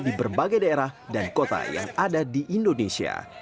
di berbagai daerah dan kota yang ada di indonesia